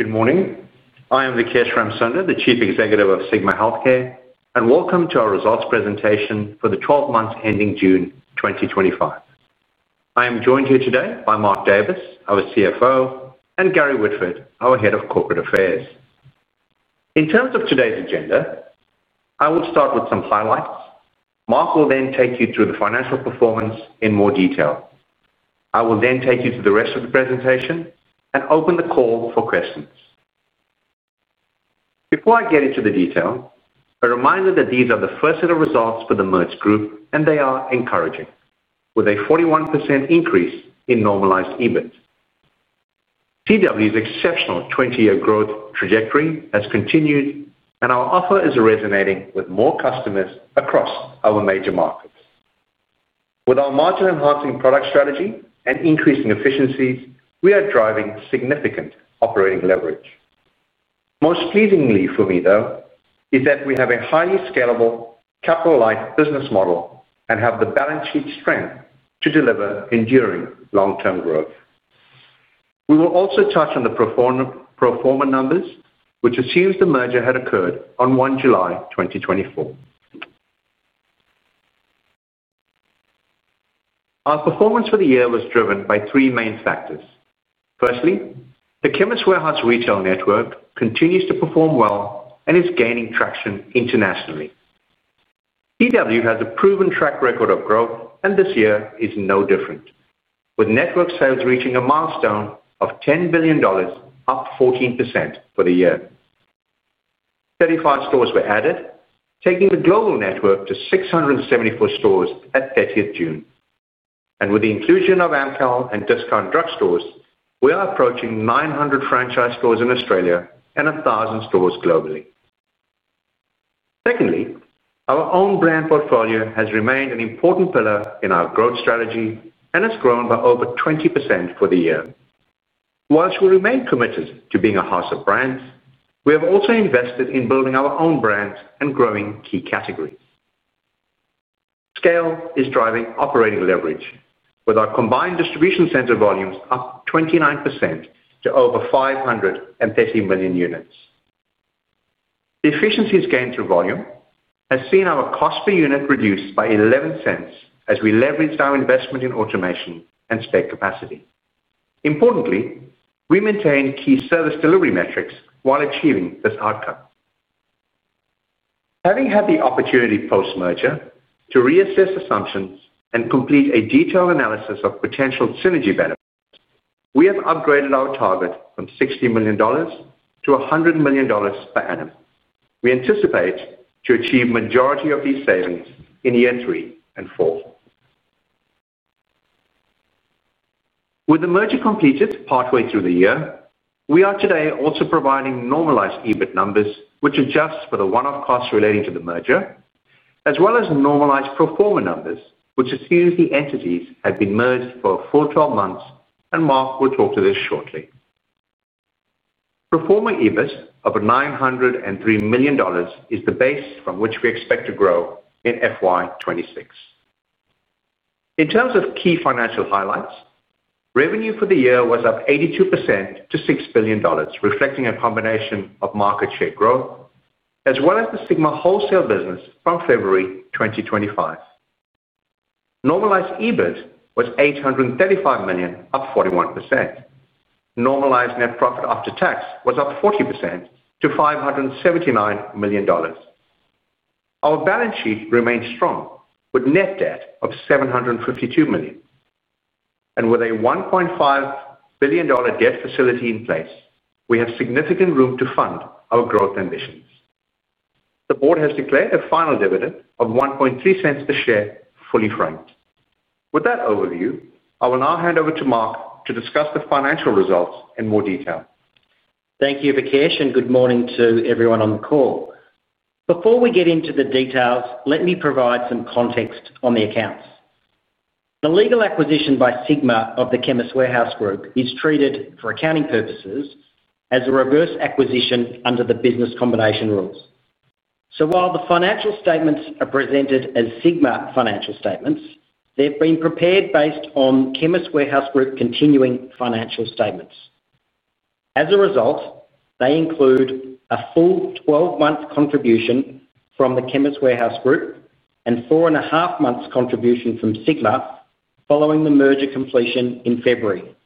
Good morning, I am Vikesh Ramsunder, the Chief Executive Officer of Sigma Healthcare and welcome to our Results Presentation for the 12 months ending June 2025. I am joined here today by Mark Davis, our CFO, and Gary Woodford, our Head of Corporate Affairs. In terms of today's agenda, I will start with some highlights. Mark will then take you through the financial performance in more detail. I will then take you to the rest of the presentation and open the call for questions. Before I get into the detail, a reminder that these are the first set of results for the merged group and they are encouraging. With a 41% increase in normalized EBIT, Chemist Warehouse's exceptional 20-year growth trajectory has continued and our offer is resonating with more customers across our major markets. With our margin-enhancing product strategy and increasing efficiencies, we are driving significant operating leverage. Most pleasingly for me though is that we have a highly scalable capital-light business model and have the balance sheet strength to deliver enduring long-term growth. We will also touch on the pro forma numbers which assumes the merger had occurred on July 1, 2024. Our performance for the year was driven by three main factors. Firstly, the Chemist Warehouse retail network continues to perform well and is gaining traction internationally. Chemist Warehouse has a proven track record of growth and this year is no different. With network sales reaching a milestone of 10 billion dollars, up 14% for the year, 35 stores were added taking the global network to 674 stores at June 30 and with the inclusion of Amcal and Discount Drugstores we are approaching 900 franchise stores in Australia and 1,000 stores globally. Secondly, our own brand portfolio has remained an important pillar in our growth strategy and has grown by over 20% for the year. Whilst we remain committed to being a house of brands, we have also invested in building our own brands and growing key categories. Scale is driving operating leverage with our combined distribution center volumes up 29% to over 530 million units. The efficiencies gained through volume has seen our cost per unit reduced by 0.11 as we leveraged our investment in automation and spec capacity. Importantly, we maintain key service delivery metrics while achieving this outcome. Having had the opportunity post merger to reassess assumptions and complete a detailed analysis of potential synergy benefits, we have upgraded our target from 60 million-100 million dollars per annum. We anticipate to achieve majority of these savings in year three and four with the merger completed partway through the year. We are today also providing normalized EBIT numbers, which adjusts for the one off costs relating to the merger, as well as normalized pro forma numbers, which assumes the entities had been merged for full 12 months, and Mark will talk to this shortly. Performing EBIT of 903 million dollars is the base from which we expect to grow in FY 2026. In terms of key financial highlights, revenue for the year was up 82% to 6 billion dollars, reflecting a combination of market share growth as well as the Sigma wholesale business. From February 2025, normalized EBIT was 835 million. 41% normalized net profit after tax was up 40% to 579 million dollars. Our balance sheet remains strong. With net debt of 752 million and with a 1.5 billion dollar debt facility in place, we have significant room to fund our growth ambitions. The Board has declared a final dividend of 1.30 per share, fully franked. With that overview, I will now hand over to Mark to discuss the financial results in more detail. Thank you Vikesh and good morning to everyone on the call. Before we get into the details, let me provide some context on the accounts. The legal acquisition by Sigma of the Chemist Warehouse Group is treated for accounting purposes as a reverse acquisition under the business combination rules. While the financial statements are presented as Sigma financial statements, they've been prepared based on Chemist Warehouse continuing financial statements. As a result, they include a full 12 month contribution from the Chemist Warehouse Group and 4.5 months contribution from Sigma following the merger completion in February.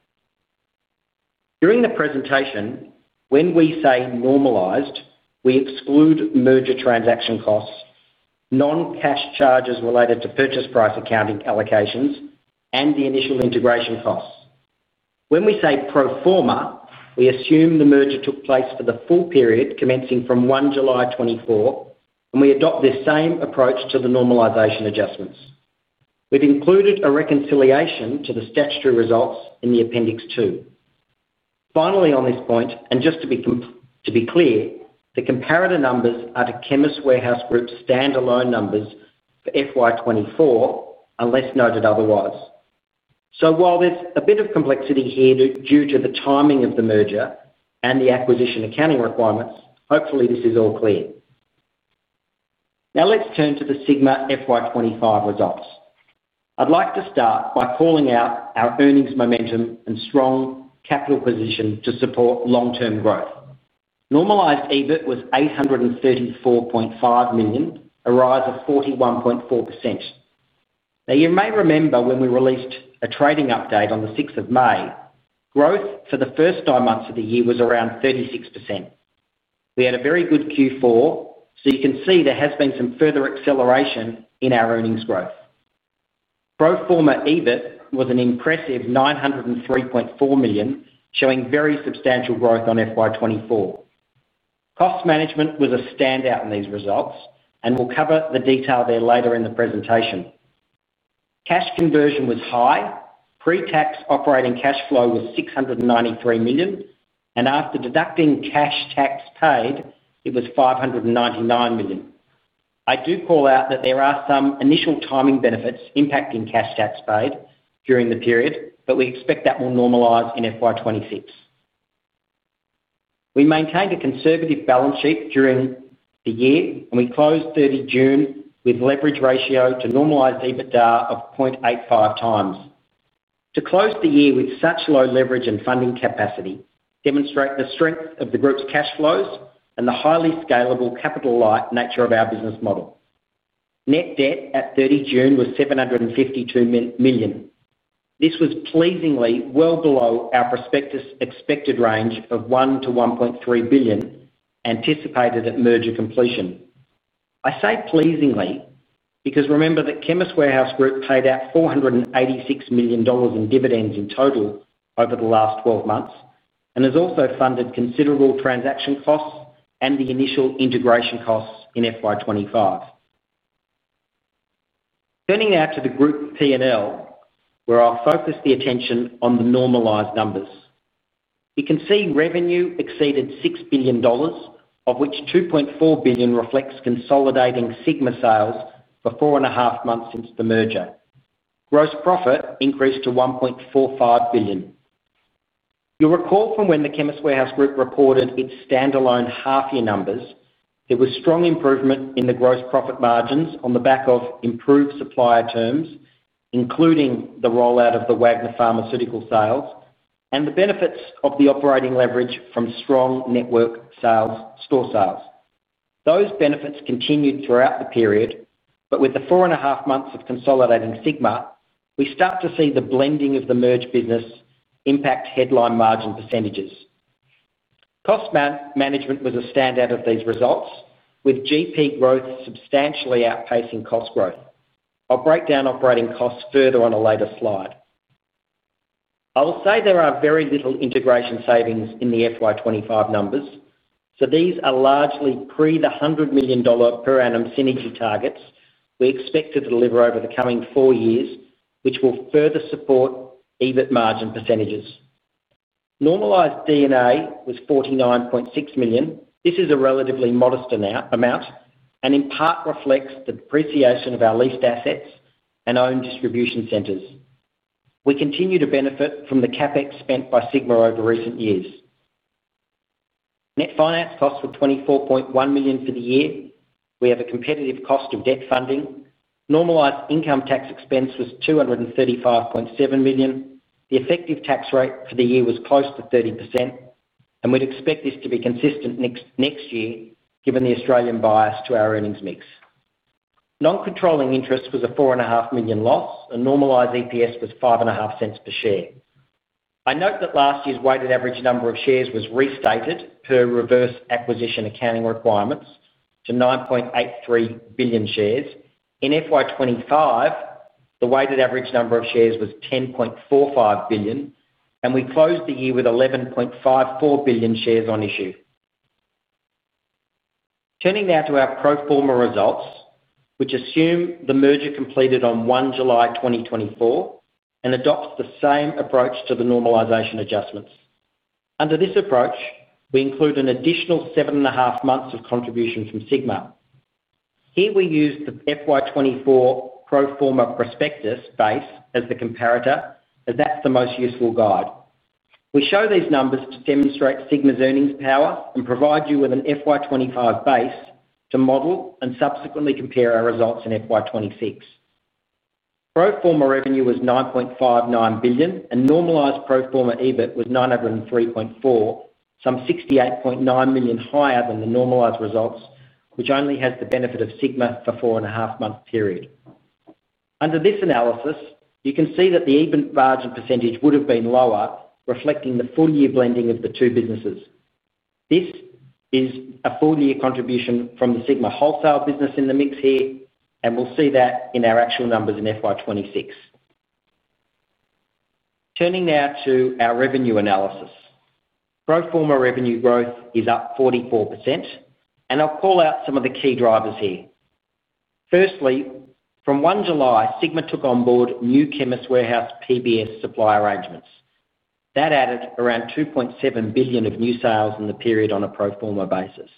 During the presentation, when we say normalized, we exclude merger transaction costs, non-cash charges related to purchase price accounting allocations, and the initial integration costs. When we say pro forma, we assume the merger took place for the full period commencing from the 1st of July 2024 and we adopt this same approach to the normalisation adjustments. We've included a reconciliation to the statutory results in Appendix 2. Finally on this point, and just to be clear, the comparator numbers are to Chemist Warehouse standalone numbers for FY 2024 unless noted otherwise. While there's a bit of complexity here due to the timing of the merger and the acquisition accounting requirements, hopefully this is all clear. Now let's turn to the Sigma FY 2025 outlook. I'd like to start by calling out our earnings momentum and strong capital position to support long term growth. Normalized EBIT was 834.5 million, a rise of 41.4%. You may remember when we released a trading update on the 6th of May, growth for the first nine months of the year was around 36%. We had a very good Q4, so you can see there has been some further acceleration in our earnings growth. Pro forma EBIT was an impressive 903.4 million, showing very substantial growth on FY 2024. Cost management was a standout in these results and we'll cover the detail there later in the presentation. Cash conversion was high. Pre-tax operating cash flow was 693 million and after deducting cash tax paid it was 599 million. I do call out that there are some initial timing benefits impacting cash tax paid during the period, but we expect that will normalise in FY 2026. We maintained a conservative balance sheet during the year and we closed 30 June with leverage ratio to normalized EBITDA of 0.85x. To close the year with such low leverage and funding capacity demonstrates the strength of the group's cash flows and the highly scalable capital light nature of our business model. Net debt at 30 June was 752 million. This was pleasingly well below our prospectus expected range of 1 billion-1.3 billion anticipated at merger completion. I say pleasingly because remember that Chemist Warehouse Group paid out 486 million dollars in dividends in total over the last 12 months and has also funded considerable transaction costs and the initial integration costs in FY 2025. Turning now to the group P&L where I'll focus the attention on the normalized numbers, you can see revenue exceeded 6 billion dollars, of which 2.4 billion reflects consolidating Sigma sales. For four and a half months since the merger, gross profit increased to 1.45 billion. You'll recall from when the Chemist Warehouse reported its standalone half year numbers, there was strong improvement in the gross profit margins on the back of improved supplier terms, including the rollout of the Wagner Pharmaceutical sales and the benefits of the operating leverage from strong network store sales. Those benefits continued throughout the period, but with the four and a half months of consolidated Sigma we start to see the blending of the merged business impact headline margin percentages. Cost management was a standout of these results, with GP growth substantially outpacing cost growth. I'll break down operating costs further on a later slide. I will say there are very little integration savings in the FY 2025 numbers, so these are largely pre the 100 million dollar per annum synergy targets we expect to deliver over the coming four years, which will further support EBIT margin percentages. Normalized D&A was 49.6 million. This is a relatively modest amount and in part reflects the depreciation of our leased assets and owned distribution centers. We continue to benefit from the CapEx spent by Sigma over recent years. Net finance costs were 24.1 million for the year. We have a competitive cost of debt funding. Normalized income tax expense was AUD 235.7 million. The effective tax rate for the year was close to 30% and we'd expect this to be consistent next year given the Australian bias to our earnings mix. Non-controlling interest was a 4.5 million loss and normalized EPS was 0.055 per share. I note that last year's weighted average number of shares was restated per reverse acquisition accounting requirements to 9.83 billion shares. In FY 2025 the weighted average number of shares was 10.45 billion, and we closed the year with 11.54 billion shares on issue. Turning now to our pro forma results, which assume the merger completed on the 1st of July 2024 and adopt the same approach to the normalisation adjustments. Under this approach, we include an additional 7.5 months of contribution from Sigma. Here we use the FY 2024 Pro Forma Prospectus base as the comparator, as that's the most useful guide. We show these numbers to demonstrate Sigma Healthcare Ltd's earnings power and provide you with an FY 2025 base to model and subsequently compare our results. In FY 2026 pro forma revenue was 9.59 billion, and normalised pro forma EBIT was 903.4 million, some 68.9 million higher than the normalised results, which only has the benefit of Sigma for a four and a half month period. Under this analysis, you can see that the EBIT margin percentage would have been lower, reflecting the full year blending of the two businesses. This is a full year contribution from the Sigma wholesale business in the mix here, and we'll see that in our actual numbers in FY 2026. Turning now to our revenue analysis, pro forma revenue growth is up 44%, and I'll call out some of the key drivers here. Firstly, from the 1st of July, Sigma took on board new Chemist Warehouse supply contract PBS supply arrangements that added around 2.7 billion of new sales in the period on a pro forma basis.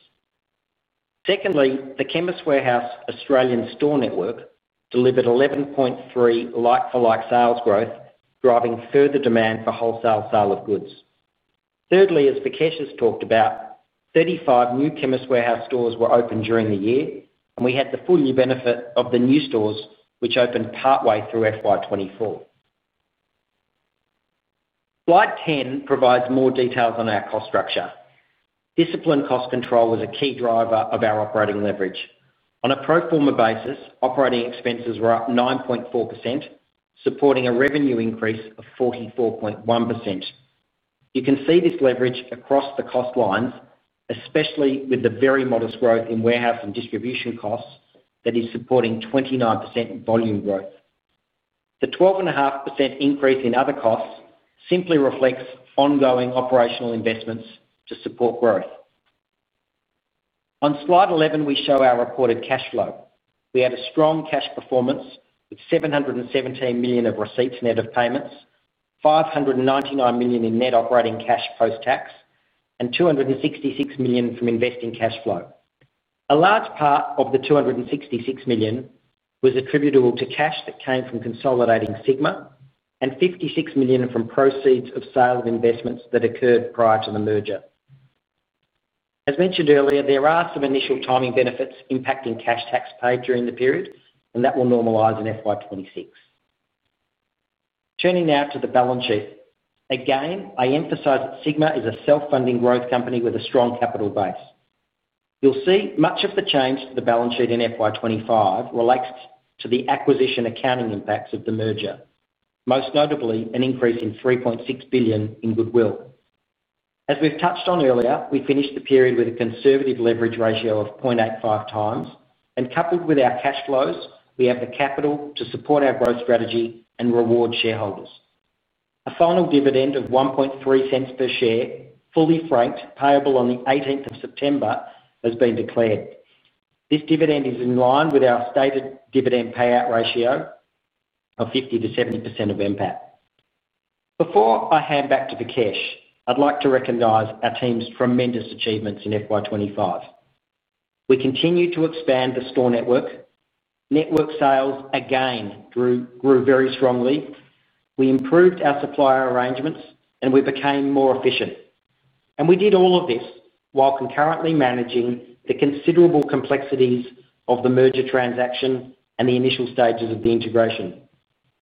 Secondly, the Chemist Warehouse Australian store network delivered 11.3% like-for-like sales growth, driving further demand for wholesale sale of goods. Thirdly, as Vikesh has talked about, 35 new Chemist Warehouse stores were opened during the year, and we had the full year benefit of the new stores which opened partway through FY 2024. Slide 10 provides more details on our cost structure. Disciplined cost control was a key driver of our operating leverage. On a pro forma basis, operating expenses were up 9.4%, supporting a revenue increase of 44.1%. You can see this leverage across the cost lines, especially with the very modest growth in warehouse and distribution costs that is supporting 29% volume growth. The 12.5% increase in other costs simply reflects ongoing operational investments to support growth. On slide 11, we show our reported cash flow. We had a strong cash performance with 717 million of receipts net of payments, 599 million in net operating cash post tax, and 266 million from investing cash flow. A large part of the 266 million was attributable to cash that came from consolidating Sigma and 56 million from proceeds of sale of investments that occurred prior to the merger. As mentioned earlier, there are some initial timing benefits impacting cash tax paid during the period, and that will normalize in FY 2026. Turning now to the balance sheet again, I emphasize that Sigma is a self-funding growth company with a strong capital base. You'll see much of the change to the balance sheet in FY 2025 relates to the acquisition accounting impacts of the merger, most notably an increase of 3.6 billion in goodwill. As we've touched on earlier, we finished the period with a conservative leverage ratio of 0.85x. Coupled with our cash flows, we have the capital to support our growth strategy and reward shareholders. A final dividend of 0.013 per share, fully franked, payable on the 18th of September has been declared. This dividend is in line with our stated dividend payout ratio of 50%-70% of MPAT. Before I hand back to Vikesh, I'd like to recognize our team's tremendous achievements in FY 2025. We continue to expand the store network. Sales again grew very strongly, we improved our supplier arrangements, and we became more efficient. We did all of this while concurrently managing the considerable complexities of the merger transaction and the initial stages of the integration.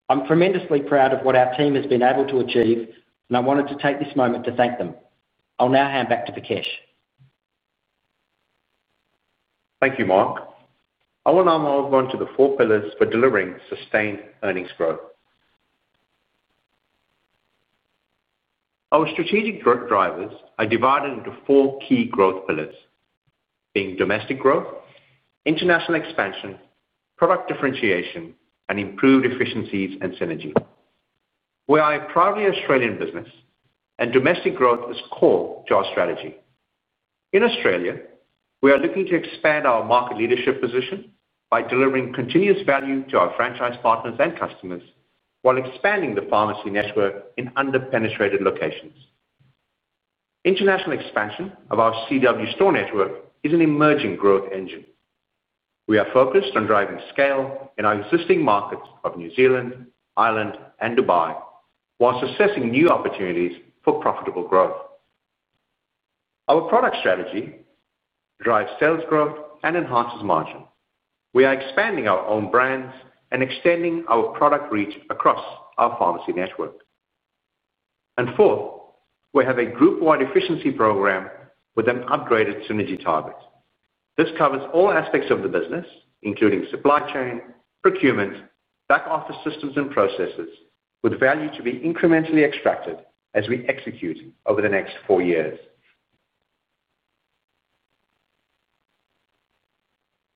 I'm tremendously proud of what our team has been able to achieve, and I wanted to take this moment to thank them. I'll now hand back to Vikesh. Thank you, Mark. I will now move on to the four pillars for delivering sustained earnings growth. Our strategic drivers are divided into four key growth pillars being domestic growth, international expansion, product differentiation, and improved efficiencies and synergies. We are a proudly Australian business and domestic growth is core to our strategy. In Australia, we are looking to expand our market leadership position by delivering continuous value to our franchise partners and customers while expanding the pharmacy network in underpenetrated locations. International expansion of our CW store network is an emerging growth engine. We are focused on driving scale in our existing markets of New Zealand, Ireland, and Dubai whilst assessing new opportunities for profitable growth. Our product strategy drives sales growth and enhances margin. We are expanding our own brand portfolio and extending our product reach across our pharmacy network, and fourth, we have a group-wide efficiency program with an upgraded synergy target. This covers all aspects of the business including supply chain, procurement, back office systems, and processes with value to be incrementally extracted as we execute over the next four years.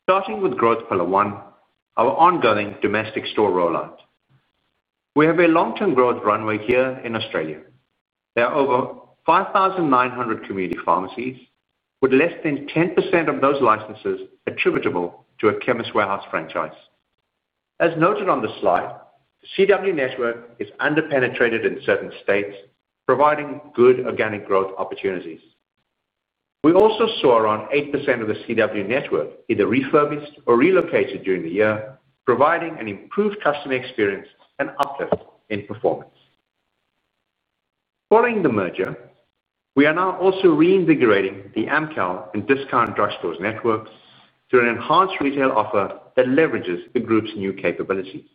Starting with growth pillar one, our ongoing domestic store rollout, we have a long-term growth runway here in Australia. There are over 5,900 community pharmacies with less than 10% of those licenses attributable to a Chemist Warehouse franchise. As noted on the slide, the CW network is underpenetrated in certain states, providing good organic growth opportunities. We also saw around 8% of the CW network either refurbished or relocated during the year, providing an improved customer experience and uplift in performance following the merger. We are now also reinvigorating the Amcal and Discount Drugstore network through an enhanced retail offer that leverages the group's new capabilities.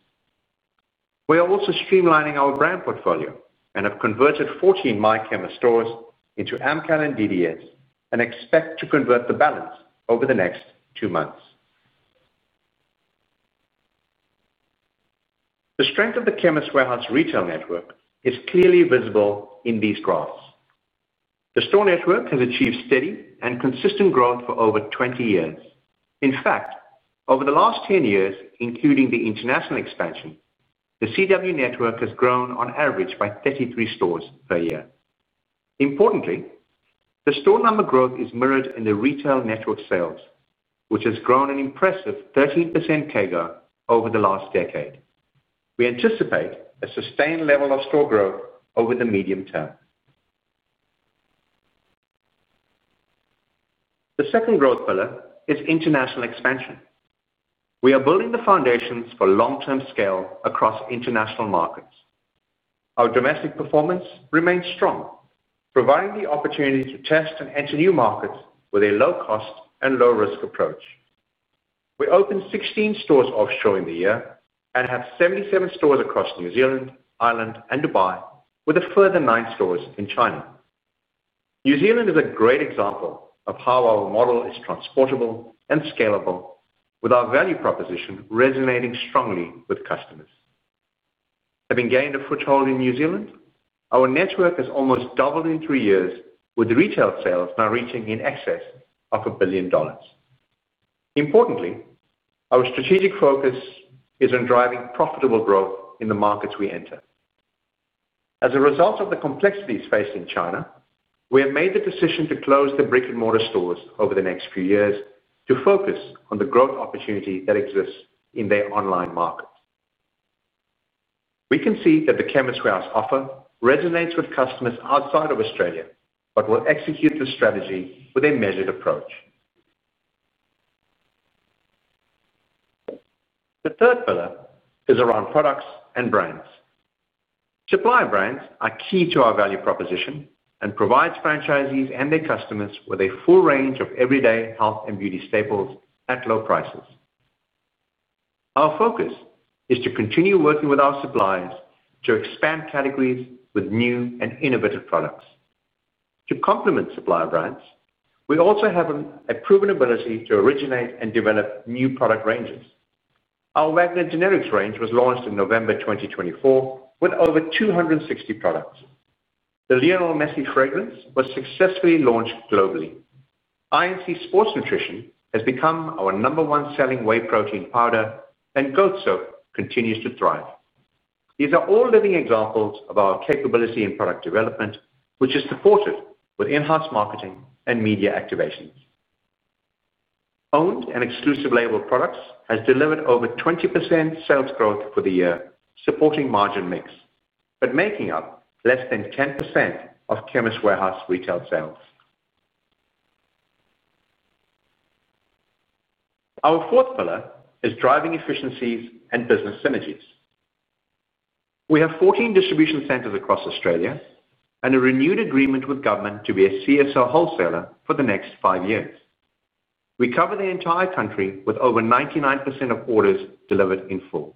We are also streamlining our brand portfolio and have converted 14 My Chemist stores into Amcal and DDS and expect to convert the balance over the next two months. The strength of the Chemist Warehouse retail network is clearly visible in these graphs. The store network has achieved steady and consistent growth for over 20 years. In fact, over the last 10 years, including the international expansion, the Chemist Warehouse network has grown on average by 33 stores per year. Importantly, the store number growth is mirrored in the retail network sales which has grown an impressive 13% CAGR over the last decade. We anticipate a sustained level of store growth over the medium term. The second growth pillar is international expansion. We are building the foundations for long term scale across international markets. Our domestic performance remains strong, providing the opportunity to test and enter new markets with a low cost and low risk approach. We opened 16 stores offshore in the year and have 77 stores across New Zealand, Ireland, and Dubai with a further nine stores in China. New Zealand is a great example of how our model is transportable and scalable with our value proposition resonating strongly with customers. Having gained a foothold in New Zealand, our network has almost doubled in three years with retail sales now reaching in excess of 1 billion dollars. Importantly, our strategic focus is in driving profitable growth in the markets we enter. As a result of the complexities faced in China, we have made the decision to close the brick and mortar stores over the next few years to focus on the growth opportunity that exists in their online market. We can see that the Chemist Warehouse offer resonates with customers outside of Australia but will execute the strategy with a measured approach. The third pillar is around products and brands. Supplier brands are key to our value proposition and provide franchisees and their customers with a full range of everyday health and beauty staples at low prices. Our focus is to continue working with our suppliers to expand categories with new and innovative products to complement supplier brands. We also have a proven ability to originate and develop new product ranges. Our Wagner generics range was launched in November 2024 with over 260 products. The Lionel Messy fragrance was successfully launched globally. IMC Sports Nutrition has become our number one selling whey protein powder and Goat Soap continues to thrive. These are all living examples of our capability in product development which is supported with in-house marketing and media activations. Owned and exclusive label products have delivered over 20% sales growth for the year supporting margin mix but making up less than 10% of Chemist Warehouse retail sales. Our fourth pillar is driving efficiencies and business synergies. We have 14 distribution centers across Australia and a renewed agreement with government to be a CSO wholesaler for the next five years. We cover the entire country with over 99% of orders delivered in full.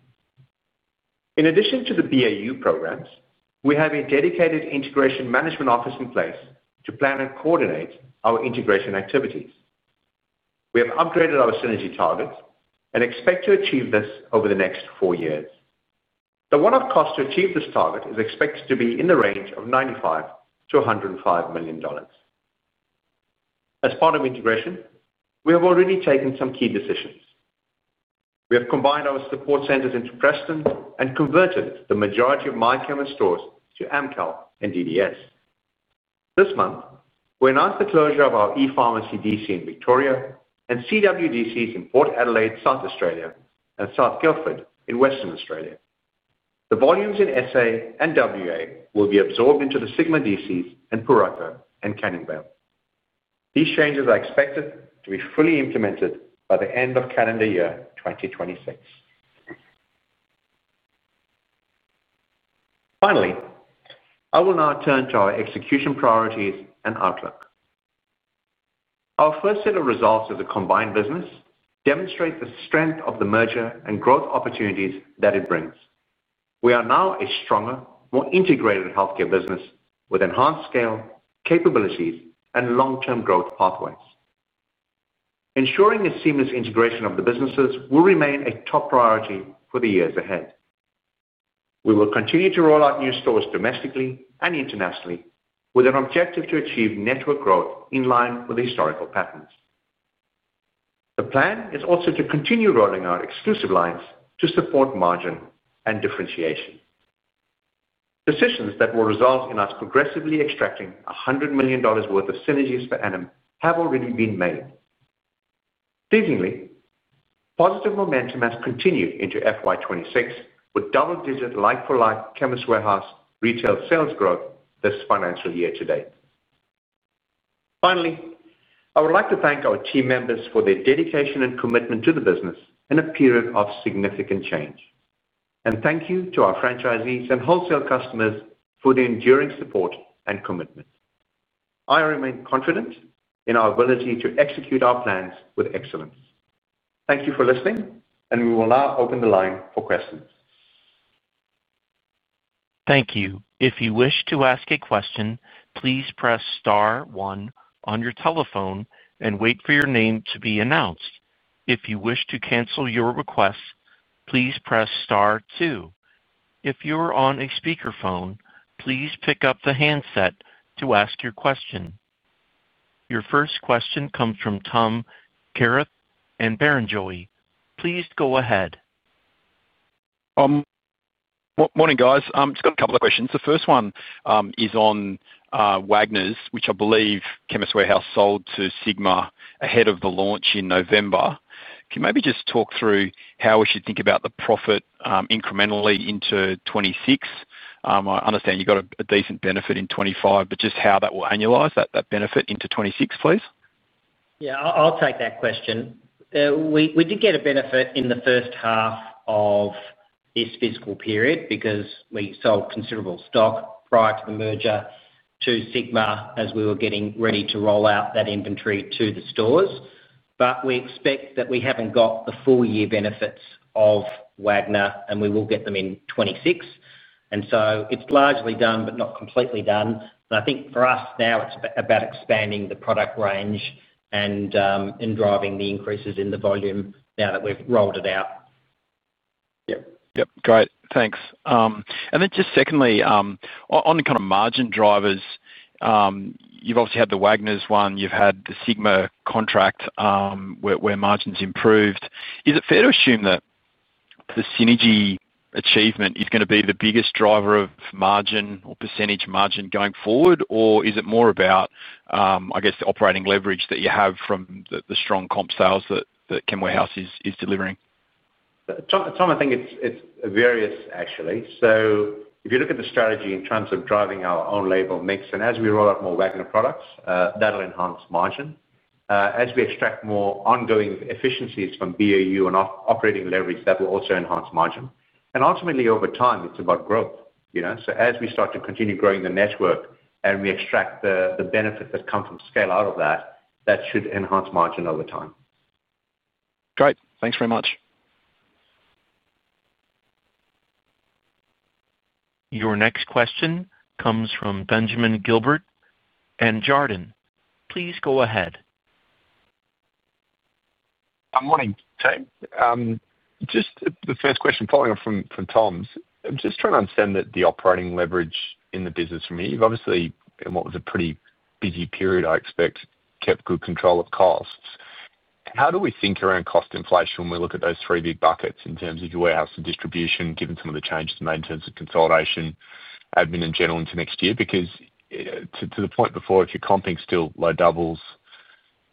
In addition to the BAU programs, we have a dedicated Integration Management Office in place to plan and coordinate our integration activities. We have upgraded our synergy target and expect to achieve this over the next four years. The one-off cost to achieve this target is expected to be in the range of 95 million-105 million dollars. As part of integration, we have already taken some key decisions. We have combined our support centers into Preston and converted the majority of My Chemist stores to Amcal and DDS. This month we announced the closure of our Epharmacy DC in Victoria and CWDCS in Port Adelaide, South Australia, and South Guildford in Western Australia. The volumes in SA and WA will be absorbed into the Sigma DC in Pooraka and Canning Vale. These changes are expected to be fully implemented by the end of calendar year 2024. Finally, I will now turn to our execution priorities and outlook. Our first set of results of the combined business demonstrate the strength of the merger and growth opportunities that it brings. We are now a stronger, more integrated healthcare business with enhanced scale capabilities and long-term growth pathways. Ensuring a seamless integration of the businesses will remain a top priority for the years ahead. We will continue to roll out new stores domestically and internationally with an objective to achieve network growth in line with historical patterns. The plan is also to continue rolling out exclusive lines to support margin and differentiation. Decisions that will result in us progressively extracting 100 million dollars worth of synergies per annum have already been made. Pleasingly, positive momentum has continued into FY 2026 with double-digit like-for-like Chemist Warehouse retail sales growth this financial year to date. Finally, I would like to thank our team members for their dedication and commitment to the business in a period of significant change. Thank you to our franchisees and wholesale customers for their enduring support and commitment. I remain confident in our ability to execute our plans with excellence. Thank you for listening and we will now open the line for questions. Thank you. If you wish to ask a question, please press Star one on your telephone and wait for your name to be announced. If you wish to cancel your request, please press Star two. If you're on a speakerphone, please pick up the handset to ask your question. Your first question comes from Tom Kierath and Barrenjoey. Please go ahead. Morning guys, just got a couple of questions. The first one is on Wagners, which I believe Chemist Warehouse sold to Sigma ahead of the launch in November. Can you maybe just talk through how we should think about the profit incrementally into 2026? I understand you got a decent benefit in 2025, but just how that will annualize that benefit into 2026, please. Yeah, I'll take that question. We did get a benefit in the first half of this fiscal period because we sold considerable stock prior to the merger to Sigma as we were getting ready to roll out that inventory to the stores. We expect that we haven't got the full year benefits of Wagner and we will get them in 2026. It's largely done, but not completely done. I think for us now it's about expanding the product range and driving the increases in the volume now that we've rolled it out. Great, thanks. Just secondly, on the kind of margin drivers, you've obviously had the Wagners one, you've had the Sigma contract where margins improved. Is it fair to assume that the synergy achievement is going to be the biggest driver of margin or percentage margin going forward? Is it more about, I guess, the operating leverage that you have from the strong comp sales that Chemist Warehouse is delivering? Tom? I think it's various actually. If you look at the strategy in terms of driving our own label mix and as we roll out more Wagner products, that'll enhance margin as we extract more ongoing efficiencies from BAU and operating leverage. That will also enhance margin and ultimately over time it's about growth. As we start to continue growing the network and we extract the benefit that come from scale out of that, that should enhance margin over time. Great, thanks very much. Your next question comes from Benjamin, Gilbert and Jarden. Please go. Morning team. Just the first question following up from Tom's, I'm just trying to understand the operating leverage in the business from you. Obviously, in what was a pretty busy period, I expect you kept good control of costs. How do we think around cost inflation when we look at those three big buckets in terms of your warehouse and distribution, given some of the changes made in terms of consolidation, admin, and general into next year? Because to the point before, if you're comping still low doubles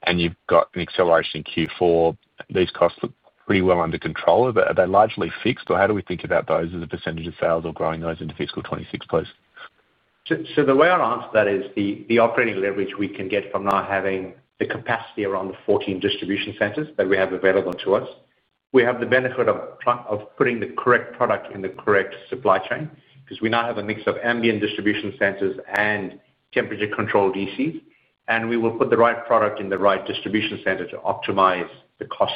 and you've got an acceleration in Q4, these costs look pretty well under control. Are they largely fixed, or how do? We think about those as a percentage of sales or growing those into fiscal 2026, please. The way I'd answer that is the operating leverage we can get from now having the capacity around the 14 distribution centers that we have available to us. We have the benefit of putting the correct product in the correct supply chain because we now have a mix of ambient distribution centers and temperature controlled DCs, and we will put the right product in the right distribution center to optimize the cost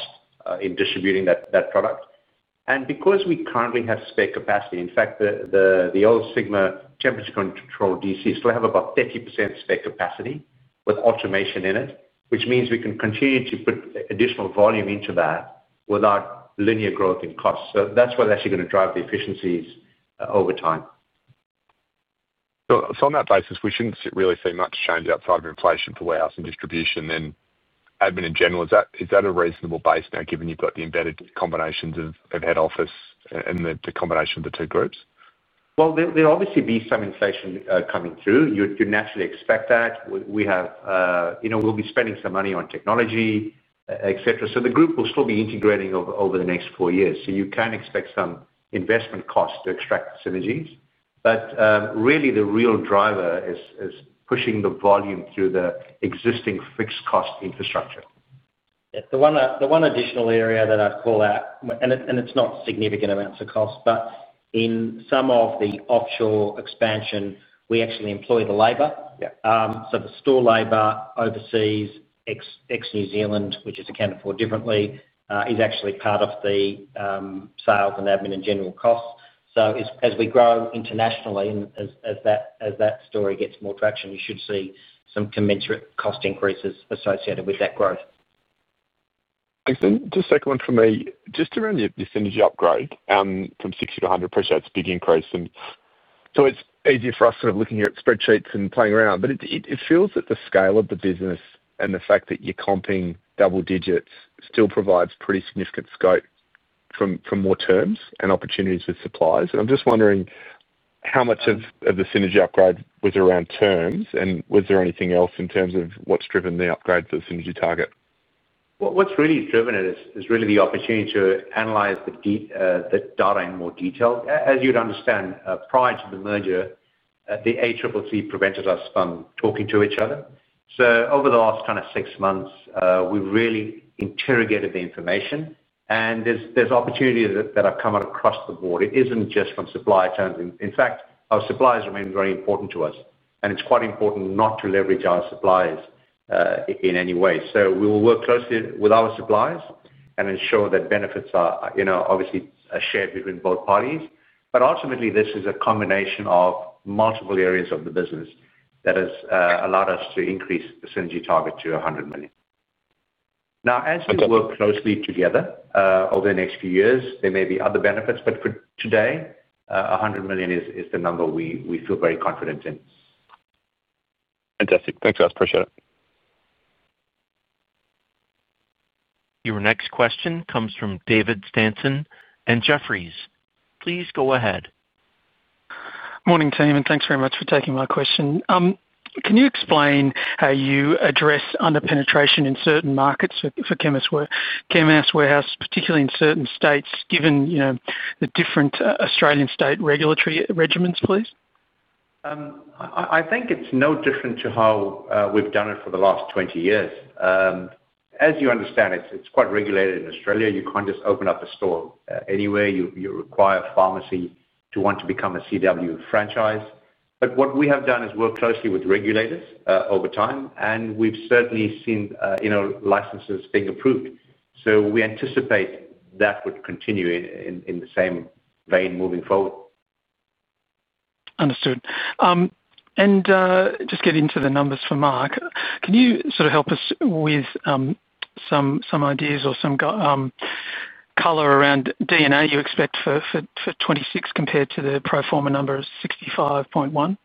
in distributing that product. Because we currently have spare capacity, in fact the old Sigma temperature controlled DC still has about 30% spare capacity with automation in it, which means we can continue to put additional volume into that without linear growth in cost. That's what is actually going to drive the efficiencies over time. On that basis, we shouldn't really see much change outside of inflation for warehouse and distribution and admin in general. Is that a reasonable base now given you've got the embedded combinations of head office and the combination of the two groups? There will obviously be some inflation coming through. You can naturally expect that we have, you know, we'll be spending some money on technology, et cetera. The group will still be integrating over the next four years. You can expect some investment cost to extract synergies, but really the real driver is pushing the volume through the existing fixed cost infrastructure. The one additional area that I'd call out, and it's not significant amounts of cost, but in some of the offshore expansion we actually employ the labor. The store labor overseas, ex New Zealand, which is accounted for differently, is actually part of the sales and admin and general costs. As we grow internationally and as that story gets more traction, you should see some commensurate cost increases associated with that growth. Just second one for me, just around this energy upgrade from 60 to 100 pressure. It's a big increase, and it's easier for us sort of looking at spreadsheets and playing around. It feels that the scale of. The business and the fact that you're comping double digits still provides pretty significant scope for more terms and opportunities with suppliers. I'm just wondering how much of. The synergy upgrade was around terms, and was there anything else in terms of what's driven the upgrade for the synergy target? What's really driven it is really the opportunity to analyze the data in more detail. As you'd understand, prior to the merger, the ACCC prevented us from talking to each other. Over the last kind of six months we really interrogated the information and there's opportunities that have come across the board. It isn't just from supplier channels. In fact, our suppliers remain very important to us and it's quite important not to leverage our suppliers in any way. We will work closely with our suppliers and ensure that benefits are obviously shared between both parties. Ultimately, this is a combination of multiple areas of the business that has allowed us to increase the synergy target to 100 million. As we work closely together over the next few years, there may be other benefits, but for today, 100 million is the number we feel very confident in. Fantastic. Thanks, guys. Appreciate it. Your next question comes from David Stanson, and Jefferies. Please go ahead. Morning team, and thanks very much for taking my question. Can you explain how you address under penetration in certain markets for Chemist Warehouse, particularly in certain states, given the different Australian state regulatory regimens, please? I think it's no different to how we've done it for the last 20 years. As you understand, it's quite regulated in Australia. You can't just open up a store anywhere. You require pharmacy to want to become a CW franchise. What we have done is work closely with regulators over time, and we've certainly seen licenses being approved. We anticipate that would continue in the same vein moving forward. Understood. Can you sort of help us with some ideas or some color around D&A you expect for 2026 compared to the pro forma number of 65.1 million?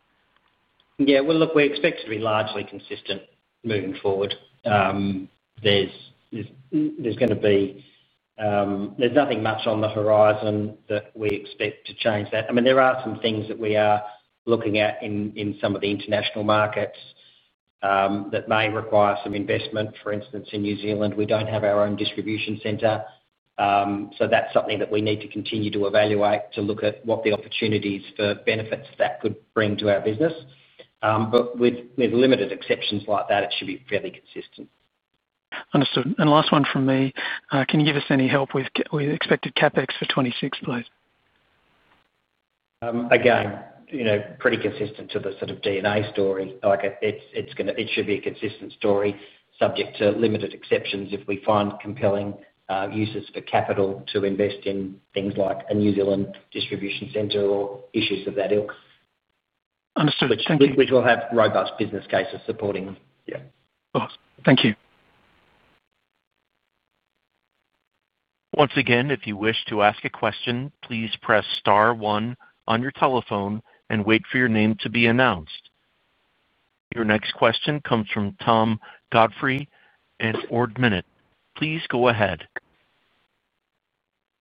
Yeah, we expect it to be largely consistent moving forward. There's going to be. There's nothing much on the horizon that we expect to change that. I mean there are some things that we are looking at in some of the international markets that may require some investment. For instance, in New Zealand we don't have our own distribution center. That's something that we need to continue to evaluate to look at what the opportunities for benefits that could bring to our business. With limited exceptions like that, it. Should be fairly consistent. Understood. Last one from me, can you give us any help with expected CapEx for 2026 please? Again, pretty consistent to the sort of D&A story. It's going to, it should be a consistent story subject to limited exceptions if we find compelling uses for capital to invest in things like a New Zealand distribution center or issues of that ilk, understood, which will have robust business cases supporting them. Yeah, thank you. Once again. If you wish to ask a question, please press Star one on your telephone and wait for your name to be announced. Your next question comes from Tom Godfrey at Ord Minnett. Please go ahead.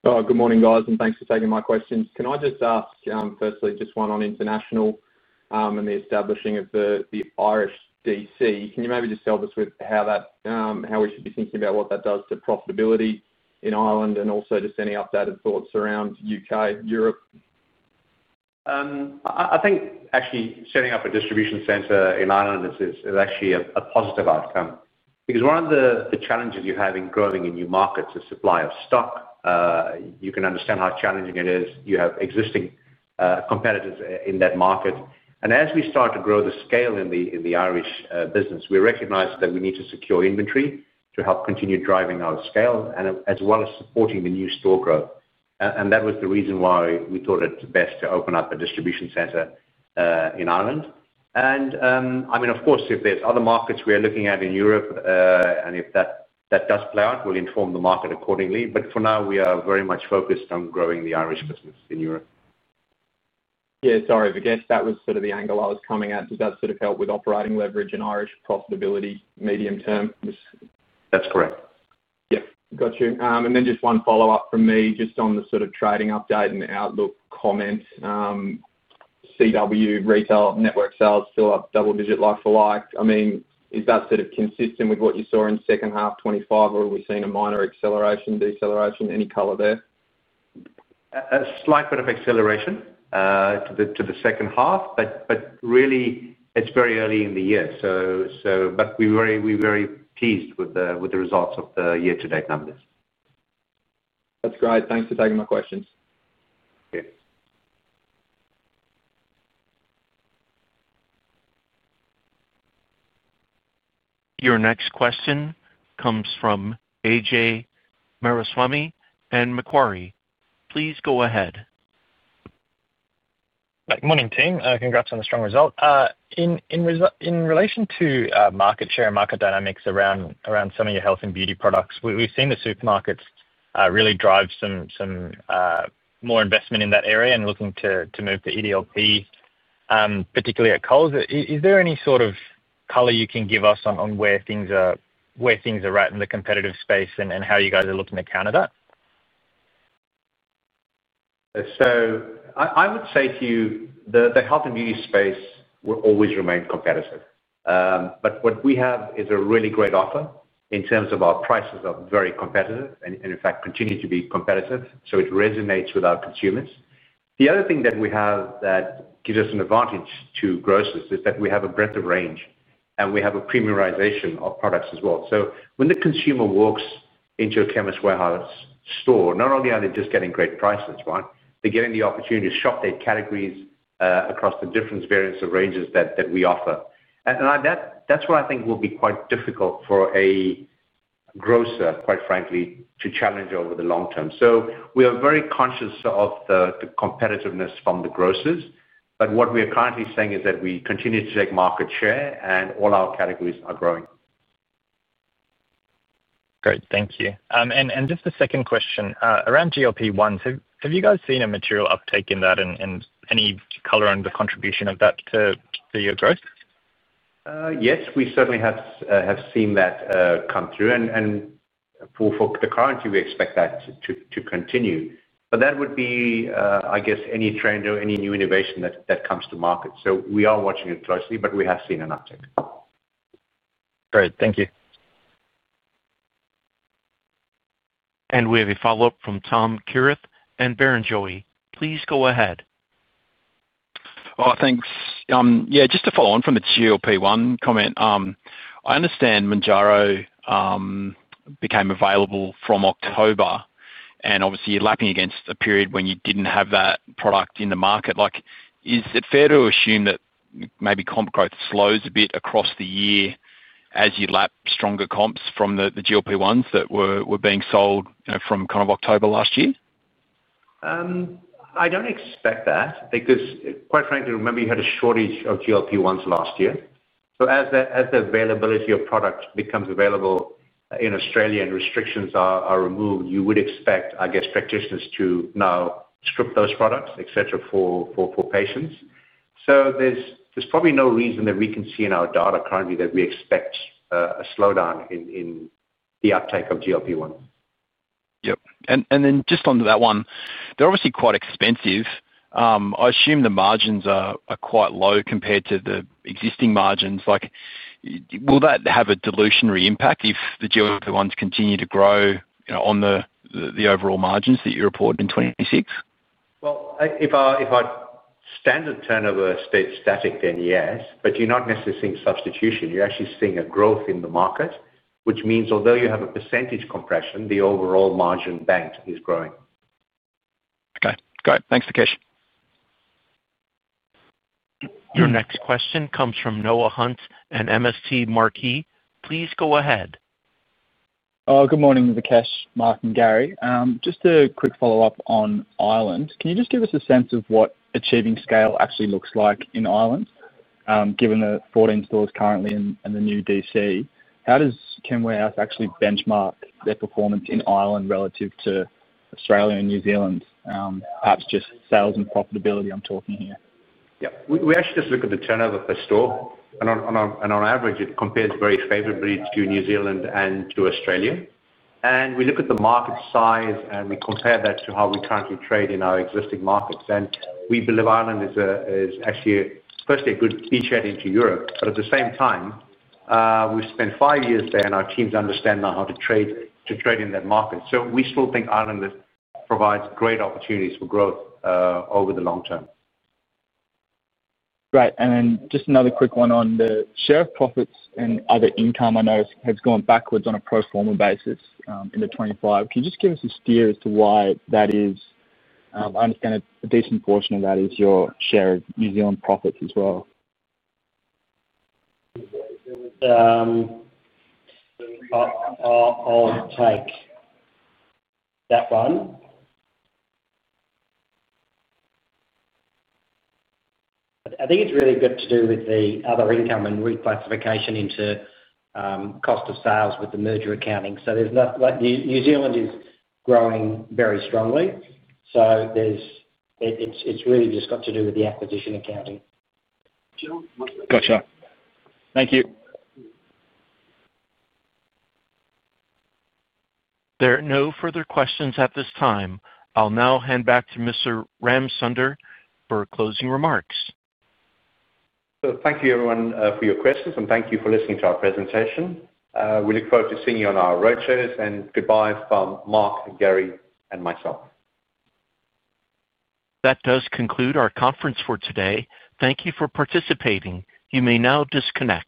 Good morning guys and thanks for taking my questions. Can I just ask firstly just one on international and the establishing of the Irish DC. Can you maybe just help us with how that, how we should be thinking about what that does to profitability in Ireland and also just any updated thoughts around U.K., Europe? I think actually setting up a distribution center in Ireland is actually a positive outcome because one of the challenges you have in growing in new markets is supply of stock. You can understand how challenging it is. You have existing competitors in that market. As we start to grow the scale in the Irish business, we recognize that we need to secure inventory to help continue driving our scale as well as supporting the new store growth. That was the reason why we thought it's best to open up a distribution center in Ireland. Of course, if there are other markets we are looking at in Europe and if that does play out, we'll inform the market accordingly. For now, we are very much focused on growing the Irish business in Europe. Sorry, I guess that was sort of the angle I was coming at. Does that sort of help with operating leverage and Irish profitability medium term? That's correct yes. Got you. Just one follow up from me on the sort of trading update and outlook comments. Chemist Warehouse retail network sales still up double digit like-for-like. Is that sort of consistent with what you saw in second half 2025, or are we seeing a minor acceleration or deceleration? Any color there? A slight bit of acceleration to the second half, but really it's very early in the year. We're very pleased with the results of the year to date nowadays. That's great. Thanks for taking my questions. Your next question comes from Aay Maraiswamy at Macquarie. Please go ahead. Morning team. Congrats on the strong result in relation. To market share, market dynamics around some of your health and beauty products. We've seen the supermarkets really drive some more investment in that area and looking to move to EDLP, particularly at Coles. Is there any sort of color you can give us on where things are right in the competitive space and how you guys are looking to counter that? I would say to you the health and beauty space will always remain competitive. What we have is a really great offer in terms of our prices are very competitive and in fact continue to be competitive. It resonates with our consumers. The other thing that we have that gives us an advantage to grocers is that we have a breadth of range and we have a premiumization of products as well. When the consumer walks into a Chemist Warehouse store, not only are they just getting great prices, right, they're getting the opportunity to shop their categories across the different variants of ranges that we offer. That is what I think will be quite difficult for a grocer, quite frankly, to challenge over the long term. We are very conscious of the competitiveness from the grocers. What we are currently saying is that we continue to take market share and all our categories are growing. Great, thank you. Just the second question around GLP-1 products, have you guys seen a material uptake in that, and any color on the contribution of that to your growth? Yes, we certainly have seen that come through and for the current year we expect that to continue. That would be, I guess, any trend or any new innovation that comes to market. We are watching it closely, but we have seen an uptick. Great, thank you. We have a follow-up from Tom Kierath and Barrenjoey, please go ahead. Thanks. Yeah, just to follow from the GLP-1 comment, I understand Mounjaro became available from October, and obviously you're lapping against a period when you didn't have that product in the market. Is it fair to assume that maybe comp growth slows a bit across the year as you lap stronger comps from the GLP-1s that were being sold from kind of October last year? I don't expect that because, quite frankly, remember you had a shortage of GLP-1 products last year. As the availability of product becomes available in Australia and restrictions are removed, you would expect, I guess, practitioners to now script those products, et cetera, for patients. There's probably no reason that we can see in our data currently that we expect a slowdown in the uptake of GLP-1. Yep. Just on that one, they're obviously quite expensive. I assume the margins are quite low compared to the existing margins. Will that have a dilutionary impact if the GLP-1 products continue to grow on the overall margins that you report in 2026? If our standard turnover stayed static, then yes. You're not necessarily seeing substitution. You're actually seeing a growth in the market, which means although you have a percentage compression, the overall margin bank is growing. Thanks, Vikesh. Your next question comes from Noah Hunt at MST Marquee. Please go ahead. Good morning. The Vikesh, Mark and Gary, just a quick follow up on Ireland. Can you just give us a sense of what achieving scale actually looks like in Ireland? Given the 14 stores currently and the new distribution center, how does Chemist Warehouse actually benchmark their performance in Ireland relative to Australia and New Zealand? Perhaps just sales and profitability. I'm talking here. We actually just look at the turnover per store and on average it compares very favorably to New Zealand and to Australia. We look at the market size and we compare that to how we currently trade in our existing markets. We believe Ireland is actually firstly a good beachhead into Europe. At the same time we've spent five years there and our teams understand now how to trade in that market. We still think Ireland provides great opportunities for growth over the long term. Great. Just another quick one on the share of profits and other income. I noticed it has gone backwards on a pro forma basis in the 2025. Can you just give us a steer As to why that is, I understand a decent portion of that. Is your share of New Zealand profits as well? I'll take. That one. I think it's really good to do with the other income and reclassification into cost of sales with the merger accounting. There's not like New Zealand is growing very strongly. It's really just got to do with the acquisition accounting. Gotcha. Thank you. There are no further questions at this time. I'll now hand back to Mr. Ramsunder for closing remarks. Thank you, everyone, for your questions, and thank you for listening to our presentation. We look forward to seeing you on our roadshows. Goodbye from Mark, Gary, and myself. That does conclude our conference for today. Thank you for participating. You may now disconnect.